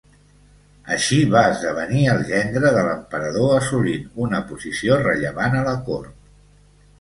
Així va esdevenir el gendre de l'emperador assolint una posició rellevant a la cort.